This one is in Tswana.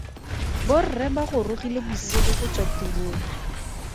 Borre ba gorogile bosigo go tswa tirong.